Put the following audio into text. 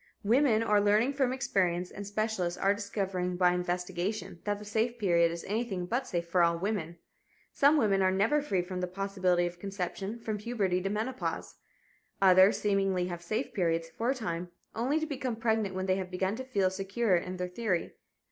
Women are learning from experience and specialists are discovering by investigation that the "safe period" is anything but safe for all women. Some women are never free from the possibility of conception from puberty to the menopause. Others seemingly have "safe periods" for a time, only to become pregnant when they have begun to feel secure in their theory.